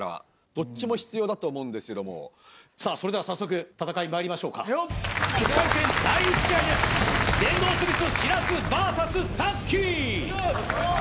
どっちも必要だと思うんですけどもさあそれでは早速戦いにまいりましょうか１回戦第１試合ですしゃっ！